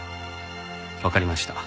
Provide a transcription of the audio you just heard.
わかりました。